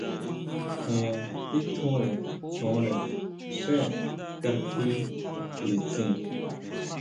Tjen titjúnre choónre xé kají nditsin.